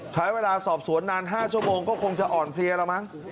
ใช้เวลาสอบสวนนาน๕ชั่วโมงก็คงจะอ่อนเพลียแล้วมั้ง